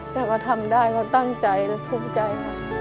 แต่เขาทำได้เขาตั้งใจและภูมิใจค่ะ